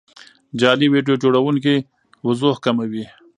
جعلي ویډیو جوړونکي وضوح کموي.